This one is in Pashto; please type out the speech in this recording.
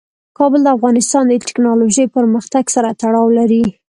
کابل د افغانستان د تکنالوژۍ پرمختګ سره تړاو لري.